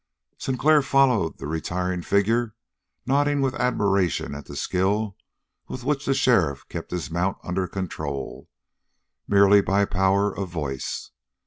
Sinclair followed the retiring figure, nodding with admiration at the skill with which the sheriff kept his mount under control, merely by power of voice.